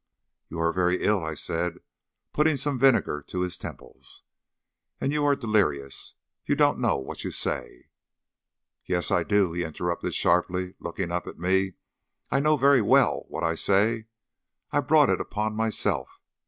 "You are very ill," I said, putting some vinegar to his temples; "and you are delirious. You don't know what you say." "Yes, I do," he interrupted sharply, looking up at me. "I know very well what I say. I brought it upon myself.